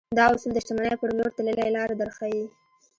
دا اصول د شتمنۍ پر لور تللې لاره درښيي.